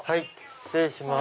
失礼します。